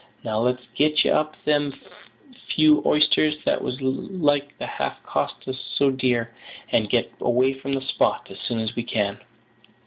Now let's get up them few h'isters that was like to have cost us all so dear, and get away from the spot as soon as we can."